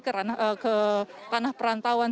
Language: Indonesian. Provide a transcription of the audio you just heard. karena ke tanah perantauan